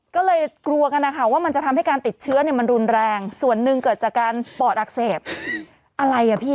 ก็เลยกลัวกันนะคะว่ามันจะทำให้การติดเชื้อเนี่ยมันรุนแรงส่วนหนึ่งเกิดจากการปอดอักเสบอะไรอ่ะพี่